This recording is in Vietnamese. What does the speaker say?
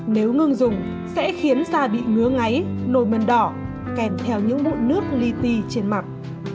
nếu ngừng dùng sẽ khiến da bị ngứa ngáy nồi mần đỏ kèm theo những bụi nước li ti trên mặt